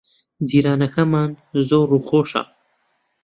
جیرانەکەمان زۆر ڕووخۆشە.